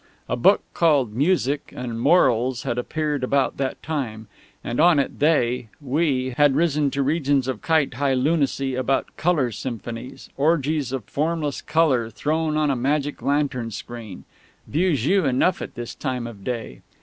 A book called Music and Morals had appeared about that time, and on it they we had risen to regions of kite high lunacy about Colour Symphonies, orgies of formless colour thrown on a magic lantern screen vieux jeu enough at this time of day.